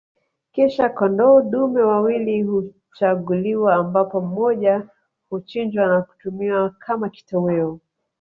Kisha kondoo dume wawili huchaguliwa ambapo mmoja huchinjwa na kutumiwa kama kitoweo